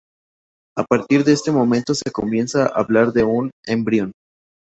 A partir de este momento se comienza a hablar de un embrión.